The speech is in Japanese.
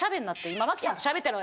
今麻貴ちゃんとしゃべってる。